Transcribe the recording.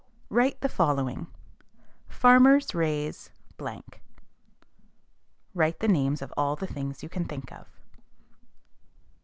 Write the following: Farmers raise (write the names of all the things you can think of).